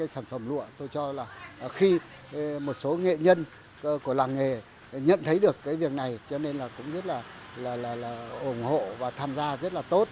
sản phẩm lụa tôi cho là khi một số nghệ nhân của làng nghề nhận thấy được cái việc này cho nên là cũng rất là ủng hộ và tham gia rất là tốt